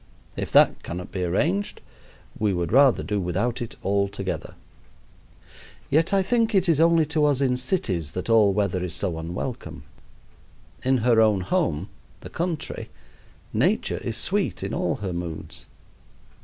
If that cannot be arranged, we would rather do without it altogether. Yet I think it is only to us in cities that all weather is so unwelcome. In her own home, the country, Nature is sweet in all her moods.